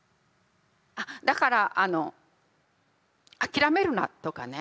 あっだから諦めるなとかね